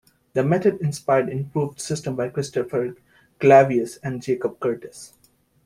The method inspired improved systems by Christopher Clavius and Jacob Curtius.